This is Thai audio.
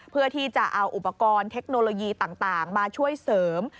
เพื่อที่จะเอาอุปกรณ์เทคโนโลยีต่างมาช่วยเสริม